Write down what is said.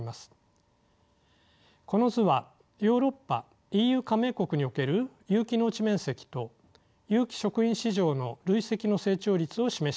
この図はヨーロッパＥＵ加盟国における有機農地面積と有機食品市場の累積の成長率を示しています。